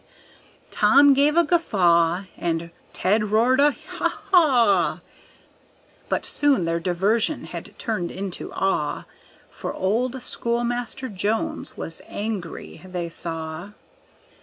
Tom gave a guffaw, And Ted roared a "haw haw"; But soon their diversion was turned into awe, For old Schoolmaster Jones was angry, they saw.